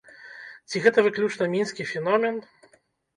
Ці гэта выключна мінскі феномен?